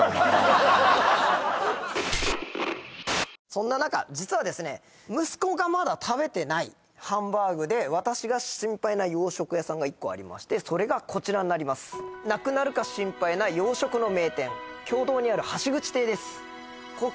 そんな中実はですね息子がまだ食べてないハンバーグで私が心配な洋食屋さんが１個ありましてそれがこちらになりますえっじゃあもう違う方がやってるの？